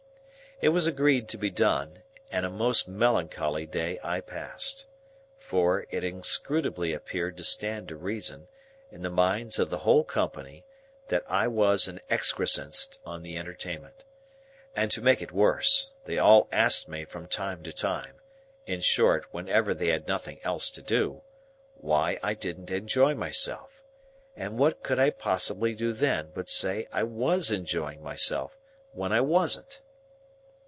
It was agreed to be done; and a most melancholy day I passed. For, it inscrutably appeared to stand to reason, in the minds of the whole company, that I was an excrescence on the entertainment. And to make it worse, they all asked me from time to time,—in short, whenever they had nothing else to do,—why I didn't enjoy myself? And what could I possibly do then, but say I was enjoying myself,—when I wasn't!